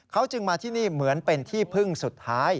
เขาจึงมาที่นี่เหมือนเป็นที่พึ่งสุดท้าย